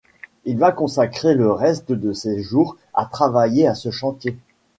Il va consacrer le reste de ses jours à travailler à ce chantier.